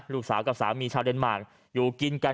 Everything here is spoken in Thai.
ลูกสาวกับสามีชาวเดนมาร์อยู่กินกัน